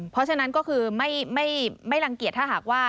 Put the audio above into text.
เพราะฉะนั้นก็คือไม่รังเกียจถ้าหากว่า